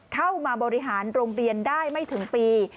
เข้ามาบริหารโรงเรียนได้ไม่ถึงปี